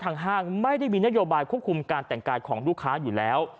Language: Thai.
ห้างไม่ได้มีนโยบายควบคุมการแต่งกายของลูกค้าอยู่แล้ว